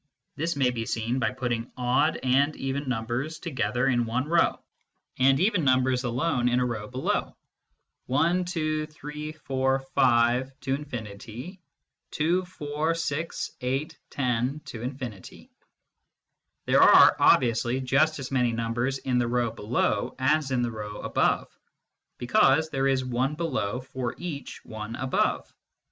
This may be seen by putting odd and even numbers together in one row, and even numbers alone in a row below : 1, 2, 3, 4, 5, ad infinitum. 2, 4, 6, 8, 10, ad infinitum. There are obviously just as many numbers in the row below as in the row above, because there is one below for each one above.